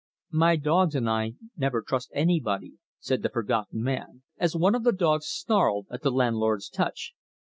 "My dogs and I never trust anybody," said the Forgotten Man, as one of the dogs snarled at the landlord's touch.